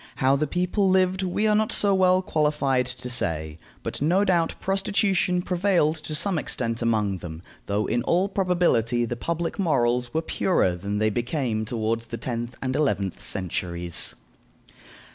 How the people lived we are not so well qualified to say, but no doubt prostitution prevailed to some extent among them, though in all probability the public morals were purer than they became toward the tenth and eleventh centuries.